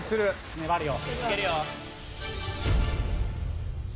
粘るよ。